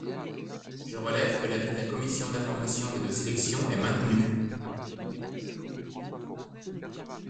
Je relève que l’avis de la commission d’information et de sélection est maintenu.